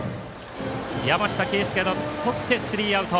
山下佳佑がとってスリーアウト。